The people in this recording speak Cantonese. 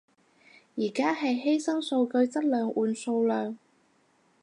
而家係犧牲數據質量換數量